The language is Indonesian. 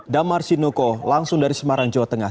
damar sinuko langsung dari semarang jawa tengah